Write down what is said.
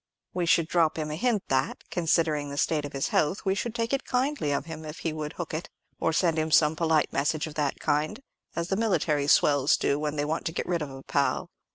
We should drop him a hint that, considering the state of his health, we should take it kindly of him if he would hook it; or send him some polite message of that kind; as the military swells do when they want to get rid of a pal."